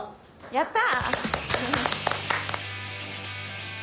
やった！